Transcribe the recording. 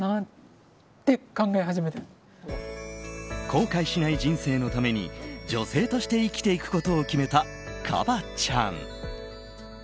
後悔しない人生のために女性として生きていくことを決めたＫＡＢＡ．ちゃん。